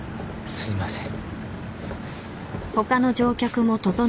すいません。